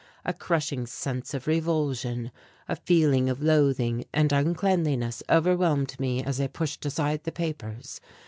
A crushing sense of revulsion, a feeling of loathing and uncleanliness overwhelmed me as I pushed aside the papers.